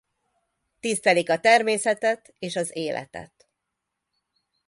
Tisztelik a természetet és az életet.